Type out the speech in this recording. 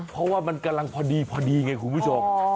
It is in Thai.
เพราะว่ามันกำลังพอดีไงคุณผู้ชม